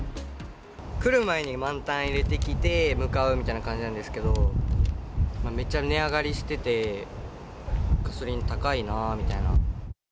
来る前に満タン入れてきて、向かうみたいな感じなんですけど、めっちゃ値上がりしてて、ガソリン高いなみたいな。